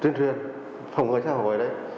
tuyên truyền phòng ngay xã hội đấy